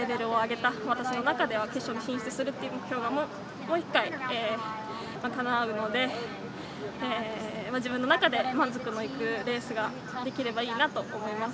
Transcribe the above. またその中で決勝に進出するという目標がもう１回かなうので自分の中で満足のいくレースができればいいなと思います。